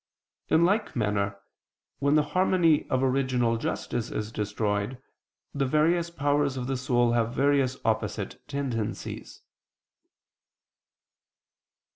In like manner, when the harmony of original justice is destroyed, the various powers of the soul have various opposite tendencies.